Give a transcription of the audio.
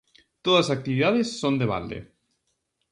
Todas as actividades son de balde.